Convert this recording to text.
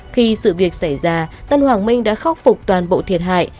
khi sự việc xảy ra tân hoàng minh đã khắc phục toàn bộ thiệt hại